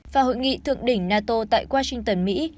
và hội nghị thượng đỉnh nato tại washington mỹ